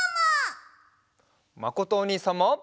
まことおにいさんも。